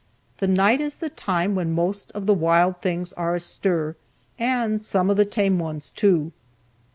The night is the time when most of the wild things are astir, and some of the tame ones, too.